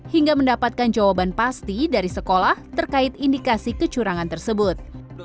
hingga mendapatkan jawaban pasti dari sekolah terkait indikasi kecurangan tersebut